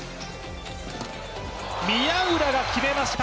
宮浦が決めました。